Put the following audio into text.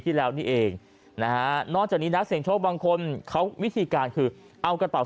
ที่แล้วนี่เองนะฮะนอกจากนี้นักเสียงโชคบางคนเขาวิธีการคือเอากระเป๋า